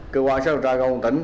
cơ quan xã hồ trà công tĩnh